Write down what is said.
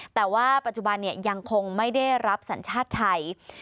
แต่ว่าปัจจุบันยังคงไม่ได้รับสัญชาติไทย